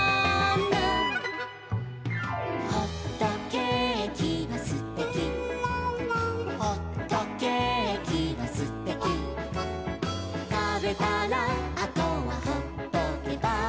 「ほっとけーきはすてき」「ほっとけーきはすてき」「たべたらあとはほっとけば」